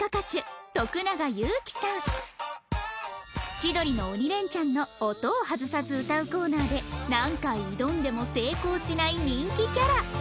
『千鳥の鬼レンチャン』の音を外さず歌うコーナーで何回挑んでも成功しない人気キャラ